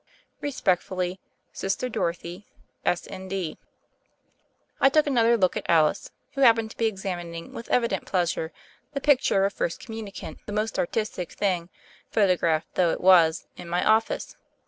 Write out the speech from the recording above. "Respectfully, "Sister Dorothy, S.N.D." I took another look at Alice, who happened to be examining with evident pleasure the pic ture of a First Communicant — the most artistic thing, photograph though it was, in my office.